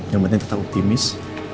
yang penting tetap optimis